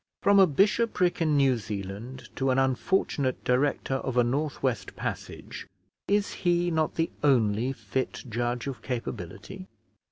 From a bishopric in New Zealand to an unfortunate director of a North west passage, is he not the only fit judge of capability?